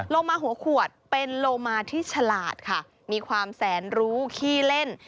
โลมาหัวขวดเป็นโลมาที่ฉลาดค่ะมีความแสนรู้ขี้เล่น